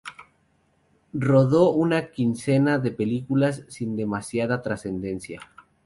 Rodó una quincena de películas sin demasiada trascendencia.